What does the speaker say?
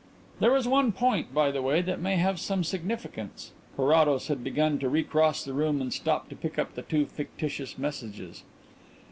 "There is one point, by the way, that may have some significance." Carrados had begun to recross the room and stopped to pick up the two fictitious messages.